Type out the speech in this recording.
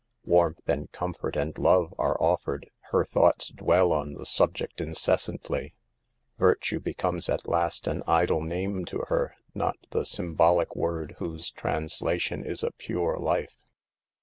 Warmth and comfort and love are offered. Her thoughts dwell on the subject incessantly. Virtue be THE PERILS OF POVERTY. 139 comes at last an idle name to her, not the sym bolic word whose translation is a pure life.